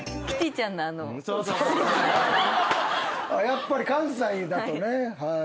やっぱり関西だとね。